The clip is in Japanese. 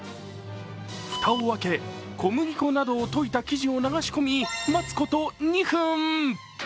蓋を開け、小麦粉などをといた生地を流し込み待つこと２分。